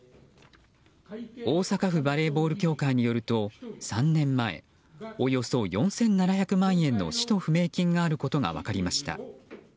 大阪府バレーボール協会によると３年前、およそ４７００万円の使途不明金があることが分かりました。